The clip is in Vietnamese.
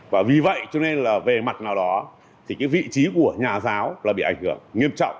và vì vậy cho nên là về mặt nào đó thì cái vị trí của nhà giáo là bị ảnh hưởng nghiêm trọng